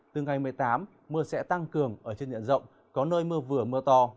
từ ngày một mươi tám mưa sẽ tăng cường ở trên nhận rộng có nơi mưa vừa mưa to